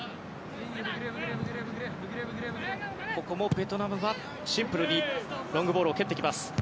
ここもベトナムはシンプルにロングボールを蹴ってきます。